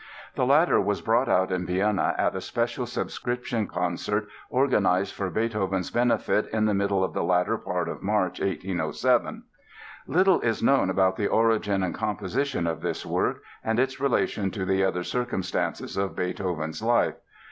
The latter was brought out in Vienna at a special subscription concert organized for Beethoven's benefit in the middle of the latter part of March 1807. Little is known about the origin and composition of this work and its relation to the other circumstances of Beethoven's life.